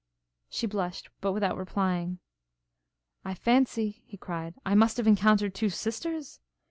She blushed, but without replying. 'I fancy,' he cried, 'I must have encountered two sisters?